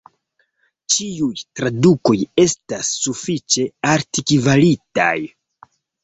Ĉiuj tradukoj estas sufiĉe altkvalitaj.